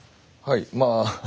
はいまあ